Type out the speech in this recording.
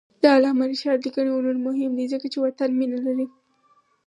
د علامه رشاد لیکنی هنر مهم دی ځکه چې وطن مینه لري.